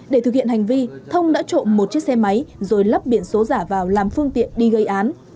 để thực hiện hành vi thông đã trộm một chiếc xe máy rồi lắp biển số giả vào làm phương tiện đi gây án